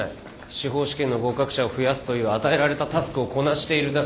司法試験の合格者を増やすという与えられたタスクをこなしているだけです。